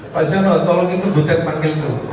pak susiano tolong itu butet panggil tuh